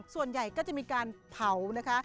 ส่วนใหญ่ก็จะมีการเผานะคะ